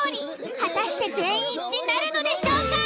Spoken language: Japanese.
果たして全員一致なるのでしょうか！？